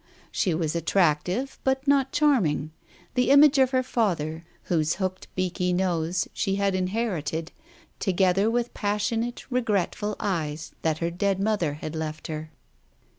She was attractive but not charming, the image of her father, whose hooked beaky nose she had inherited, together with passionate, regretful eyes that her dead mother had left her.